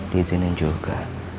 di sini juga